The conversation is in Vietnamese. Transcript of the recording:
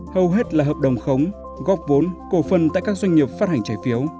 hầu hết là hợp đồng khống góp vốn cổ phân tại các doanh nghiệp phát hành trái phiếu